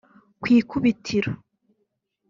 Ku ikubitiro